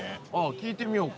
聞いてみようか。